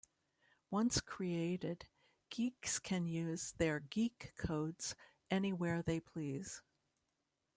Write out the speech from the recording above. Once created, geeks can use their geek codes anywhere they please.